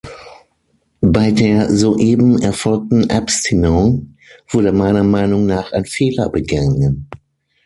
Bei der soeben erfolgten Abstimmung wurde meiner Meinung nach ein Fehler begangen.